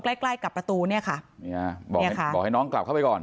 ใกล้ใกล้กับประตูเนี่ยค่ะบอกให้บอกให้น้องกลับเข้าไปก่อน